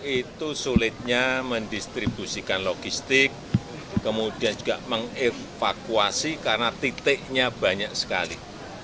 itu sulitnya mendistribusikan logistik kemudian juga mengevakuasi karena titiknya banyak sekali